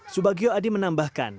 subagio adi menambahkan